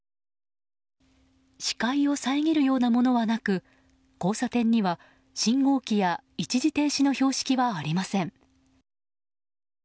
視界を遮るようなものはなく交差点には、信号機や一時停止の標識はありません。